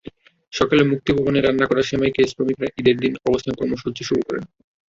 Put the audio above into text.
সকালে মুক্তিভবনে রান্না করা সেমাই খেয়ে শ্রমিকেরা ঈদের দিনের অবস্থান কর্মসূচি শুরু করেন।